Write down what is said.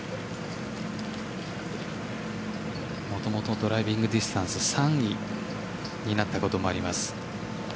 もともとドライビングディスタンス３位になったこともあります。